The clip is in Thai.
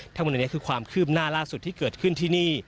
ทั้งหมดนี้คือความคืบหน้าล่าสุดที่เกิดขึ้นที่นี่